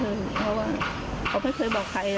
เพราะว่าเขาไม่เคยบอกใคร